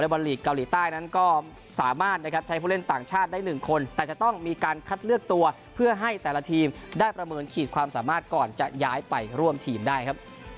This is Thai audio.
บอลลีกเกาหลีใต้นั้นก็สามารถนะครับใช้ผู้เล่นต่างชาติได้๑คนแต่จะต้องมีการคัดเลือกตัวเพื่อให้แต่ละทีมได้ประเมินขีดความสามารถก่อนจะย้ายไปร่วมทีมได้ครับ